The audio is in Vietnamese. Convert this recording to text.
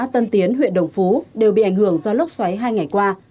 tân tiến huyện đồng phú đều bị ảnh hưởng do lốc xoáy hai ngày qua